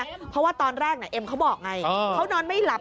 เพราะว่าตอนแรกเอ็มเขาบอกไงเขานอนไม่หลับ